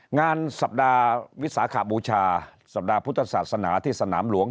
งานสัปดาห์วิสาขบูชาสัปดาห์พุทธศาสนาที่สนามหลวง